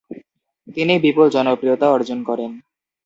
তিনি বিপুল জনপ্রিয়তা অর্জন করেন।